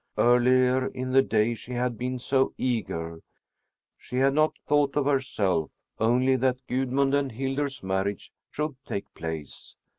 Earlier in the day she had been so eager. She had not thought of herself only that Gudmund and Hildur's marriage should take place.